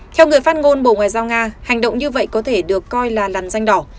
theo người phát ngôn bộ ngoại giao nga hành động như vậy có thể được coi là lằn danh đỏ